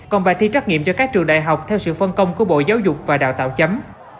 còn bài thi trắc nghiệm cho các trường đại học theo sự phân công của bộ giáo dục và đào tạo chấm